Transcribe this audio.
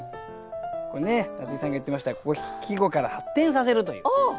これね夏井さんが言ってました季語から発展させるという。